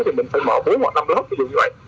thì mình phải mở bốn hoặc năm lớp ví dụ như vậy